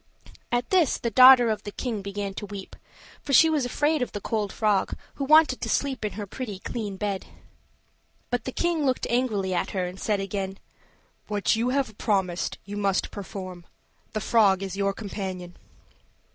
At this the daughter of the king began to weep; for she was afraid of the cold frog, who wanted to sleep in her pretty clean bed. But the king looked angrily at her, and said again: "What you have promised you must perform. The frog is your companion."